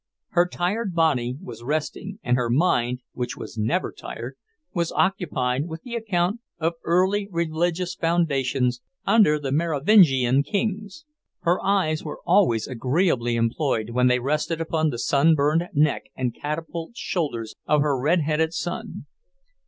Her tired body was resting, and her mind, which was never tired, was occupied with the account of early religious foundations under the Merovingian kings. Her eyes were always agreeably employed when they rested upon the sunburned neck and catapult shoulders of her red headed son.